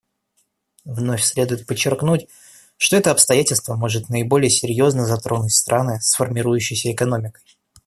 Вновь следует подчеркнуть, что это обстоятельство может наиболее серьезно затронуть страны с формирующейся экономикой.